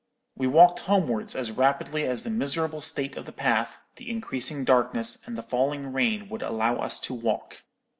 "We walked homewards as rapidly as the miserable state of the path, the increasing darkness, and the falling rain would allow us to walk.